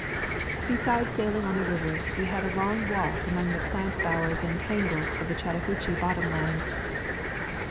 Besides sailing on the river, we had a long walk among the plant bowers and tangles of the Chattahoochee bottom lands.